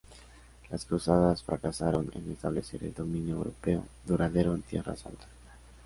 Las Cruzadas fracasaron en establecer el dominio europeo duradero en "Tierra Santa".